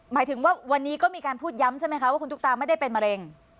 หมายถึงว่าวันนี้ก็มีการพูดย้ำใช่ไหมคะว่าคุณตุ๊กตาไม่ได้เป็นมะเร็ง